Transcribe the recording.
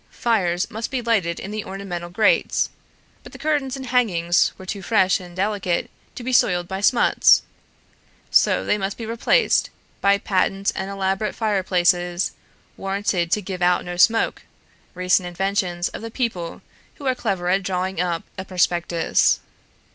Fires must be lighted in the ornamental grates, but the curtains and hangings were too fresh and delicate to be soiled by smuts, so they must be replaced by patent and elaborate fireplaces, warranted to give out no smoke, recent inventions of the people who are clever at drawing up a prospectus.